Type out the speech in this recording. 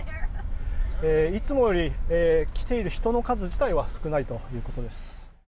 いつもより来ている人の数自体は少ないということです。